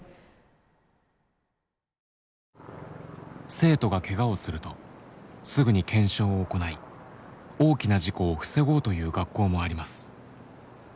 生徒がけがをするとすぐに検証を行い大きな事故を防ごうという学校もあります。